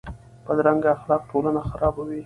بدرنګه اخلاق ټولنه خرابوي